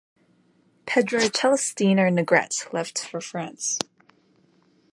Pedro Celestino Negrete left for France.